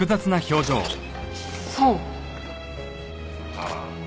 ああ。